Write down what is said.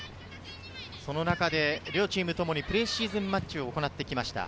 その中で両チームともプレシーズンマッチを行ってきました。